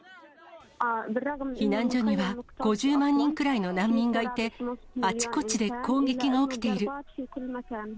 避難所には５０万人くらいの難民がいて、あちこちで攻撃が起きている。